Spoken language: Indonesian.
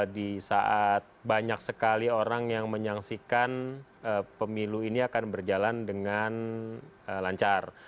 di saat banyak sekali orang yang menyaksikan pemilu ini akan berjalan dengan lancar